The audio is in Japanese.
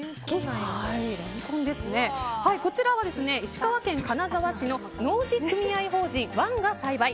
こちらは石川県金沢市の農事組合法人Ｏｎｅが栽培。